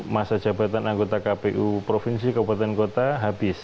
masa jabatan anggota kpu provinsi kabupaten kota habis